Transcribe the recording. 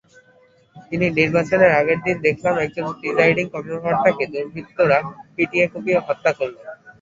কিন্তু নির্বাচনের আগের দিন দেখলাম, একজন প্রিসাইডিং কর্মকর্তাকে দুর্বৃত্তরা পিটিয়ে-কুপিয়ে হত্যা করল।